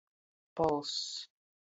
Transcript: Polss.